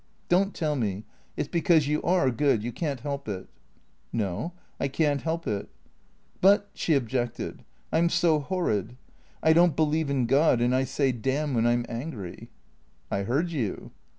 " Don't tell me. It 's because you are good. You can't help it." " No ; I can't help it." "But —" she objected, "I'm so horrid. I don't believe in God and I say damn when I 'm angry." " I heard you."